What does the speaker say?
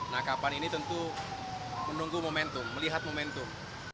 nah kapan ini tentu menunggu momentum melihat momentum